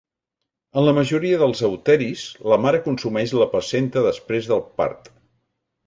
En la majoria dels euteris, la mare consumeix la placenta després del part.